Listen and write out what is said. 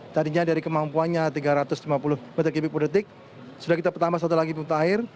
tadinya dari kemampuannya tiga ratus lima puluh meter kubik per detik sudah kita pertambah satu lagi pintu air